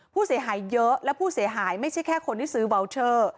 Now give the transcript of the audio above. ผู้เสียหายเยอะและผู้เสียหายไม่ใช่แค่คนที่ซื้อเบาเชอร์